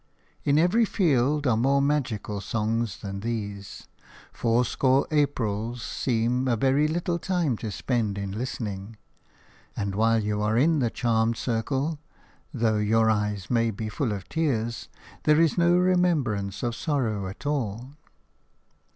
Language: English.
In every field are more magical songs than these; fourscore Aprils seem a very little time to spend in listening; and while you are in the charmed circle – though your eyes may be full of tears – there is no remembrance of sorrow at all.